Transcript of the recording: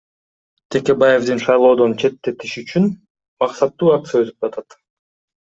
Текебаевдин шайлоодон четтетиш үчүн максаттуу акция өтүп атат.